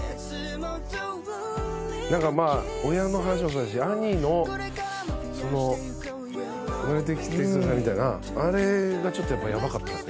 なんかまあ親の話もそうだし兄のその「生まれてきてください」みたいなあれがちょっとやっぱりやばかったですね